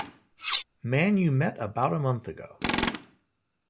Man you met about a month ago.